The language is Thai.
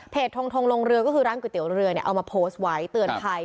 ทงทงลงเรือก็คือร้านก๋วยเตี๋ยวเรือเนี่ยเอามาโพสต์ไว้เตือนภัย